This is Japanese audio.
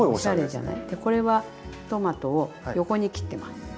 でこれはトマトを横に切ってます。